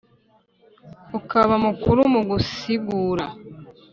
Ukaba mukuru mu gusigura